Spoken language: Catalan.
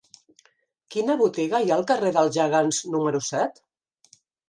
Quina botiga hi ha al carrer dels Gegants número set?